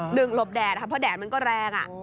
หนึ่งหลบแดดครับเพราะแดดมันก็แรง